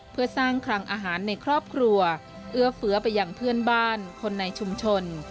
เพื่อสร้างคลังอาหารในครอบครัวเอื้อเฟื้อไปยังเพื่อนบ้านคนในชุมชน